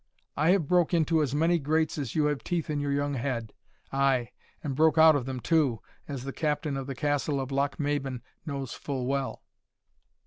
I have broke into as many grates as you have teeth in your young head ay, and broke out of them too, as the captain of the Castle of Lochmaben knows full well."